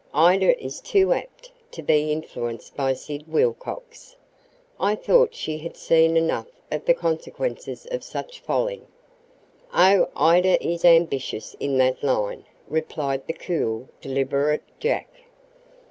"Ida is too apt to be influenced by Sid Wilcox. I thought she had seen enough of the consequences of such folly." "Oh, Ida is ambitious in that line," replied the cool, deliberate Jack.